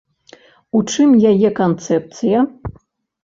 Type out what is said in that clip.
У чым яе канцэпцыя?